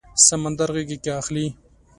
سمندر غیږو کې اخلي